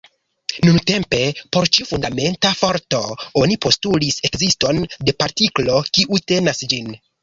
Nuntempe por ĉiu fundamenta forto oni postulis ekziston de partiklo, kiu tenas ĝin.